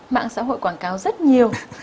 mạng xã hội quảng cáo rất nhiều